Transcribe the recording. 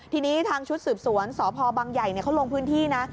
ทีนี้ทางชุดสืบสวนสพบังใหญ่เขาลงพื้นที่นะ